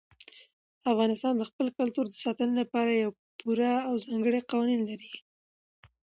افغانستان د خپل کلتور د ساتنې لپاره پوره او ځانګړي قوانین لري.